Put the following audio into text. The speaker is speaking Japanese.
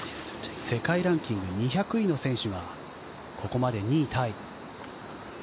世界ランキング２００位の選手がここまで２位タイ。